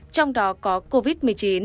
trong đó có covid một mươi chín